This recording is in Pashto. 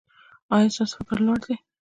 ایا ستاسو فکر لوړ دی؟